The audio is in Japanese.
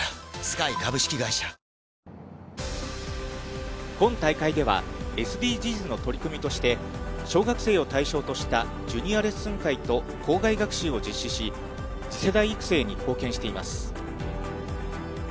さあ、今大会では、ＳＤＧｓの取り組みとして、小学生を対象としたジュニアレッスン会と校外学習を実施し、次世代育成に貢献しています。